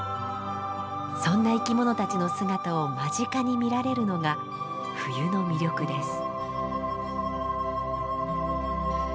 そんな生き物たちの姿を間近に見られるのが冬の魅力です。